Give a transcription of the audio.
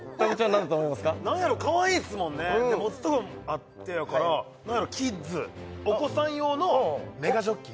何だと思いますか何やろ可愛いですもんね持つとこあってやから何やろキッズお子さん用のメガジョッキ？